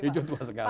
hijau tua sekali